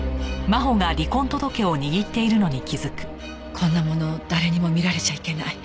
こんなもの誰にも見られちゃいけない。